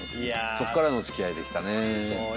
そっからのお付き合いでしたね。